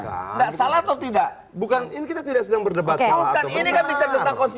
ya salah atau tidak bukan ini tidak di agak berdebat thanks ini karena udah realmente